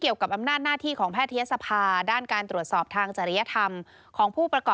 อย่างไรก็ตามค่ะก็